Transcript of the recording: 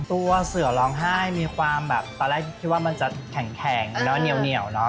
ตัวเสือร้องไห้ตอนแรกคิดว่ามันจะแข็งแข็งแล้วเหนียว